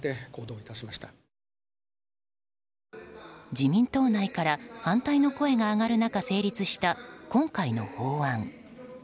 自民党内から反対の声が上がる中、成立した今回の法案。